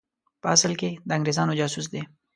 په اصل کې د انګرېزانو جاسوس دی.